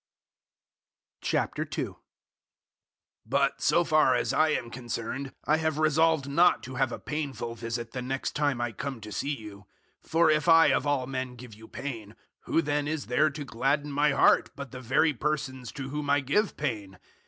002:001 But, so far as I am concerned, I have resolved not to have a painful visit the next time I come to see you. 002:002 For if I of all men give you pain, who then is there to gladden my heart, but the very persons to whom I give pain?